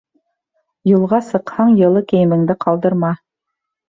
Юлға сыҡһаң, йылы кейемеңде ҡалдырма.